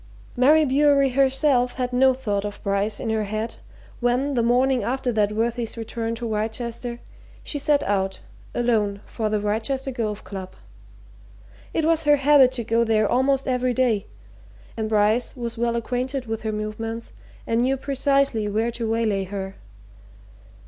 Mary Bewery herself had no thought of Bryce in her head when, the morning after that worthy's return to Wrychester, she set out, alone, for the Wrychester Golf Club. It was her habit to go there almost every day, and Bryce was well acquainted with her movements and knew precisely where to waylay her.